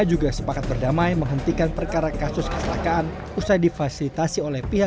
juga sepakat berdamai menghentikan perkara kasus kecelakaan usai difasilitasi oleh pihak